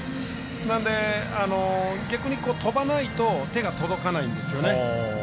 なので逆に飛ばないと手が届かないんですよね。